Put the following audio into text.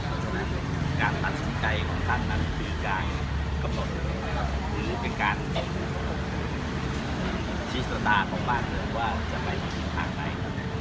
เพราะฉะนั้นการตัดสินใจของท่านนั้นคือการกำหนดหรือเป็นการชี้ชะตาของบ้านเมืองว่าจะไปถึงทางไหน